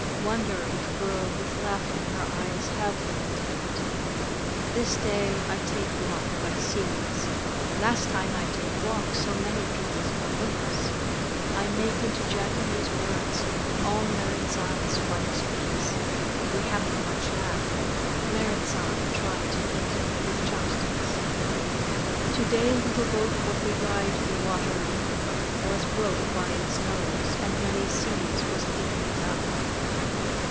Wonder if girl with laugh in her eyes have the content? This day I take walk by seas. Last time I take walk so many peoples come with us. I make into Japanese words all Merrit San's funny speaks. We have the much laugh: Merrit San try the eat with chop sticks. To day little boat what we ride the water in was broke by its nose and many seas was eating it up.